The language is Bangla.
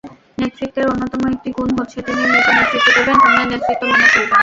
নেতৃত্বের অন্যতম একটি গুণ হচ্ছে, তিনি নিজে নেতৃত্ব দেবেন, অন্যের নেতৃত্ব মেনে চলবেন।